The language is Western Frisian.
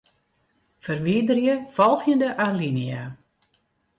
Ferwiderje folgjende alinea.